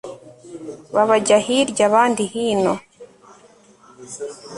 Babajya hirya abandi hino